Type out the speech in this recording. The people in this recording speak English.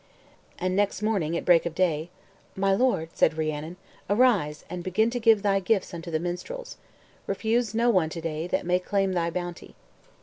And next morning at break of day, "My lord," said Rhiannon, "arise and begin to give thy gifts unto the minstrels. Refuse no one to day that may claim thy bounty."